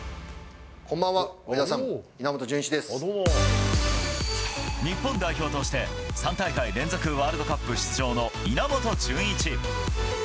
こんばんは、上田さん、日本代表として、３大会連続ワールドカップ出場の稲本潤一。